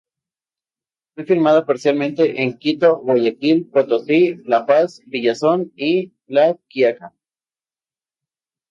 Fue filmada parcialmente en Quito, Guayaquil, Potosí, La Paz, Villazón y La Quiaca.